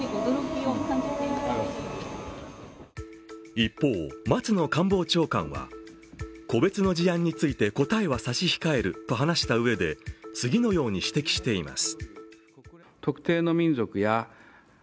一方、松野官房長官は個別の事案について答えは差し控えると話したうえで、次のように指摘しています。